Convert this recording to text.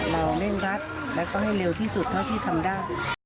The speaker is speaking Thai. เร่งรัดแล้วก็ให้เร็วที่สุดเท่าที่ทำได้